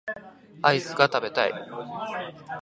アイスが食べたい